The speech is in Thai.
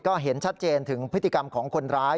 ก็เห็นชัดเจนถึงพฤติกรรมของคนร้าย